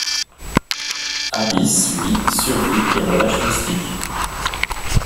Abyss, lui, survit et relâche Mystique.